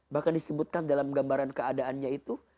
bahkan disebutkan dalam gambaran keadaannya itu